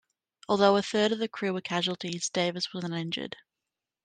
Although a third of the crew were casualties, Davis was uninjured.